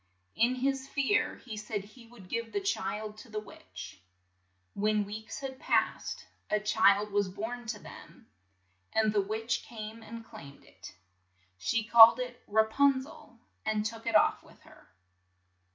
'' "In his fear he said he would give the child to the witch. When weeks had passed, a child was born to them, and the witch came and claimed it. She called it Ra pun zel, and took it off with her.